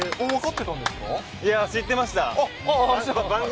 いや、知ってました。